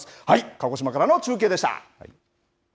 鹿児島からの中継でした。